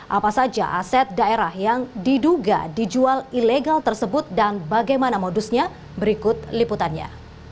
apa saja aset daerah yang diduga dijual ilegal tersebut dan bagaimana modusnya berikut liputannya